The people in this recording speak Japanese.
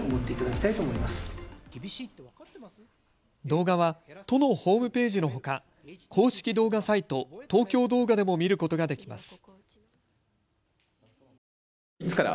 動画は都のホームページのほか公式動画サイト、東京動画でも見ることができます。